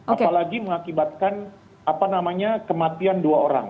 apalagi mengakibatkan kematian dua orang